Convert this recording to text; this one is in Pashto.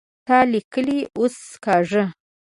تا ليکلې اوس کږه